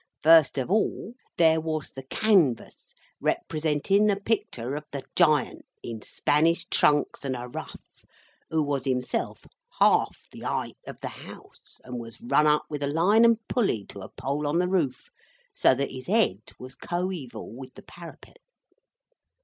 First of all, there was the canvass, representin the picter of the Giant, in Spanish trunks and a ruff, who was himself half the heighth of the house, and was run up with a line and pulley to a pole on the roof, so that his Ed was coeval with the parapet.